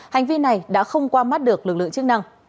hành vi này đã không qua mắt được lực lượng chức năng